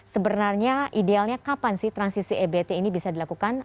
sebenarnya idealnya kapan sih transisi ebt ini bisa dilakukan